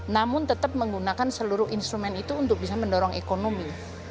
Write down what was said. namun tetap menggunakan seluruh instrumen itu untuk bisa mendorong ekonomi